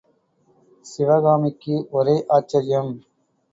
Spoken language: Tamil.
சிவகாமிக்கு ஒரே ஆச்சரியம்.